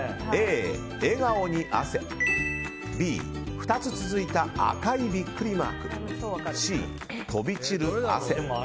Ａ、笑顔に汗Ｂ、２つ続いた赤いビックリマークＣ、飛び散る汗。